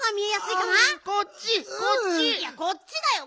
いやこっちだよ。